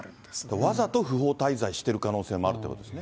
わざと不法滞在してる可能性もあるってことですね。